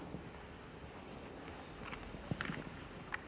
sulit tak anda bisa enxitosaota saja lah kalau naikin kemudian pake lemari dari bagian turun